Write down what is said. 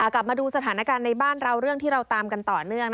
กลับมาดูสถานการณ์ในบ้านเราเรื่องที่เราตามกันต่อเนื่อง